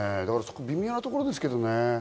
微妙なところですけどね。